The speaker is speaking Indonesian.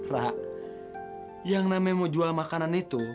rak yang namanya mau jual makanan itu